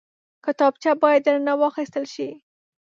کتابچه باید درنه واخیستل شي